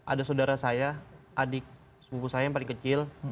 ada saudara saya adik sepupu saya yang paling kecil